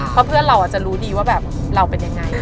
เพราะเพื่อนเราจะรู้ดีว่าแบบเราเป็นยังไง